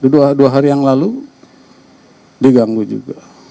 dua hari yang lalu diganggu juga